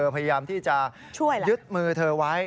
พยายามที่จะช่วยยึดมือเธอไว้